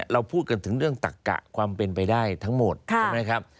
เราพูดกันถึงเรื่องตักกะความเป็นไปได้ทั้งหมดใช่ไหมครับ